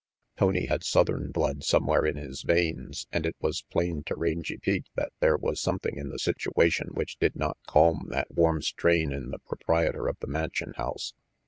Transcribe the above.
Tony had southern blood somewhere in his veins, and it was plain to Rangy Pete that there was 22 RANGY PETE something in the situation which did not calm thai warm strain in the proprietor of the Mansion House.